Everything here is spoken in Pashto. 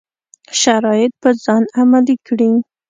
شرایط په ځان عملي کړي.